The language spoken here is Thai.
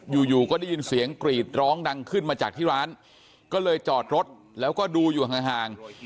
อยู่อยู่ก็ได้ยินเสียงกรีดร้องดังขึ้นมาจากที่ร้านก็เลยจอดรถแล้วก็ดูอยู่ห่าง